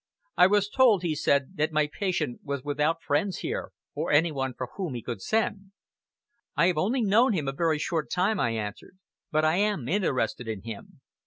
"I was told," he said, "that my patient was without friends here, or any one for whom he could send." "I have only known him a very short time," I answered, "but I am interested in him.